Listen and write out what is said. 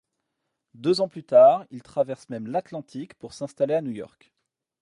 Deux ans plus tard, il traverse même l'Atlantique pour s'installer à New York.